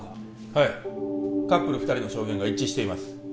はいカップル２人の証言が一致しています